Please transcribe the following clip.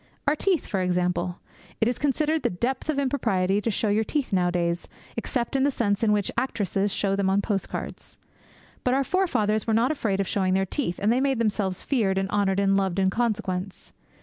Our teeth, for example. It is considered the depth of impropriety to show your teeth nowadays, except in the sense in which actresses show them on post cards. But our forefathers were not afraid of showing their teeth, and they made themselves feared and honoured and loved in consequence.